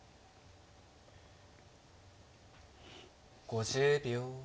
５０秒。